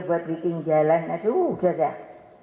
buat bikin jalan aduh udah dah